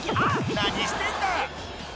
［何してんだ！］